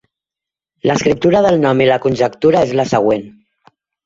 L'escriptura del nom i la conjectura és la següent.